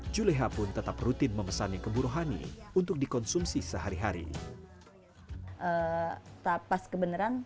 juleha pun tetap rutin memesan yang kemburuhani untuk dikonsumsi sehari hari tapas kebeneran